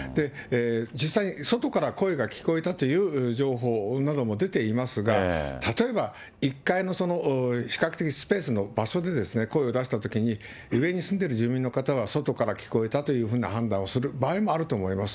実際に外から声が聞こえたという情報なども出ていますが、例えば、１階の比較的スペースの場所でですね、声を出したときに上に住んでる住民の方は外から聞こえたというふうな判断をする場合もあると思います。